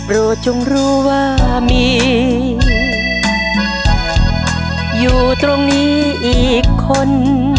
รู้จงรู้ว่ามีอยู่ตรงนี้อีกคน